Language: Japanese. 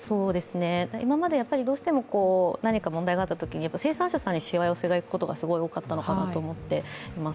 今まで、どうしても何か問題があったときに生産者さんにしわ寄せがいくことがすごく多かったかなと思います。